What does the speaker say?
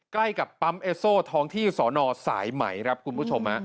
ใกล้กับปั๊มเอสโซท้องที่สอนอสายไหมครับคุณผู้ชม